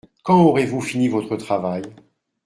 Quand aurez-vous fini votre travail ?